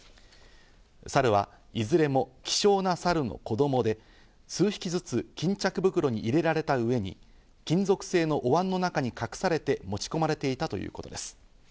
サルはいずれも希少なサルの子供で、数匹ずつ巾着袋に入れられた上に、金属製のおわんの中に隠されて持ち込まれていたということです。